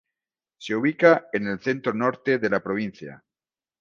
Se ubica en el centro-norte de la provincia.